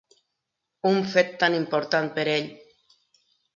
Un fet tan important per ell